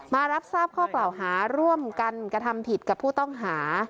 มารับทราบข้อกล่าวหาร่วมกันกระทำผิดกับผู้ต้องหา